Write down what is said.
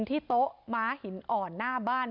ที่โต๊ะม้าหินอ่อนหน้าบ้าน